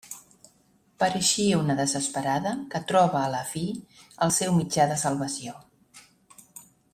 Pareixia una desesperada que troba a la fi el seu mitjà de salvació.